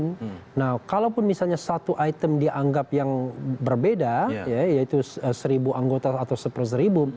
nah kalaupun misalnya satu item dianggap yang berbeda ya yaitu seribu anggota atau seperzeribu